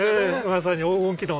まさに黄金期の。